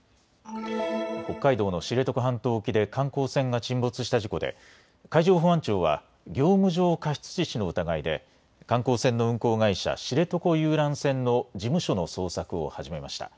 北海道の知床半島沖で観光船が沈没した事故で海上保安庁は業務上過失致死の疑いで観光船の運航会社、知床遊覧船の事務所の捜索を始めました。